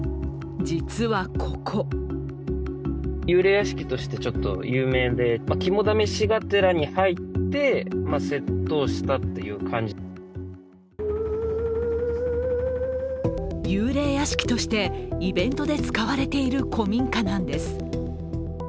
実はここ幽霊屋敷としてイベントで使われている古民家なんです。